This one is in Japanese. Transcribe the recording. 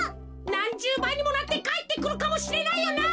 なんじゅうばいにもなってかえってくるかもしれないよな。